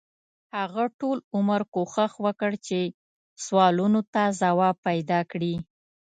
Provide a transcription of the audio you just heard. هغه ټول عمر کوښښ وکړ چې سوالونو ته ځواب پیدا کړي.